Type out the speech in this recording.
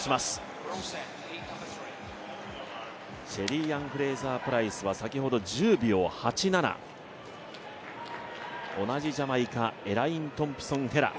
シェリーアン・フレイザー・プライスは先ほど１０秒８７、同じジャマイカ、エライン・トンプソン・ヘラ。